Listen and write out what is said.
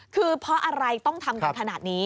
คือเพราะอะไรต้องทำกันขนาดนี้